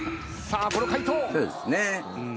さあこの回答。